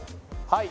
はい。